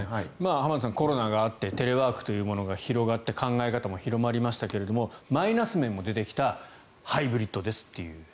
浜田さん、コロナがあってテレワークというものが広がって考え方も広がりましたけれどマイナス面も出てきたハイブリッドですという。